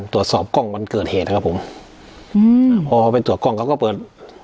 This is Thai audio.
ตรวจสอบกล้องวันเกิดเหตุนะครับผมอืมพอไปตรวจกล้องเขาก็เปิด